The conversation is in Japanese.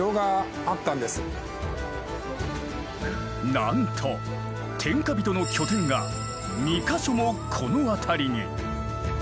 なんと天下人の拠点が２か所もこの辺りに。